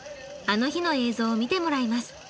「あの日」の映像を見てもらいます。